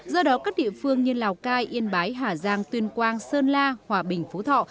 do đó các địa phương như lào cai yên bái hà giang tuyên quang sơn la hòa bình phú thọ